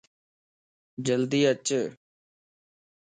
جلدي اچ